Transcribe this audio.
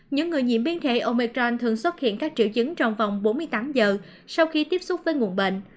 những người nhiễm biến thể omecran thường xuất hiện các triệu chứng trong vòng bốn mươi tám giờ sau khi tiếp xúc với nguồn bệnh